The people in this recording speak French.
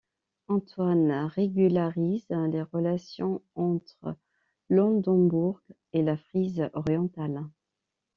Antoine régularise les relations entre l'Oldenbourg et la Frise orientale.